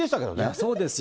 そうですよ。